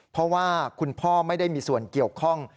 เพราะว่าคุณพ่อไม่ได้มีส่วนเกี่ยวข้อง